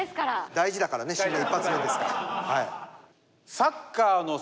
大事だからね新年一発目ですから。